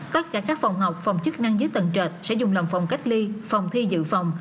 tất cả các phòng học phòng chức năng dưới tầng trệt sẽ dùng làm phòng cách ly phòng thi dự phòng